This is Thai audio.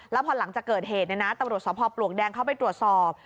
แล้วพอหลังจากเกิดเหตุตำรวจสภพปลวกแดงเข้าไปตรวจสอบ